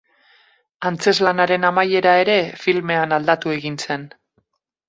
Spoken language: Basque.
Antzezlanaren amaiera ere filmean aldatu egin zen.